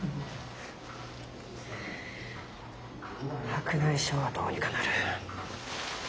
白内障はどうにかなる。